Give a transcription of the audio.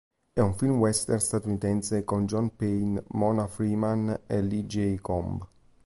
È un film western statunitense con John Payne, Mona Freeman e Lee J. Cobb.